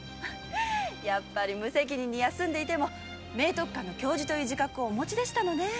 やっぱり無責任に休んでいても明徳館の教授という自覚をお持ちでしたのね。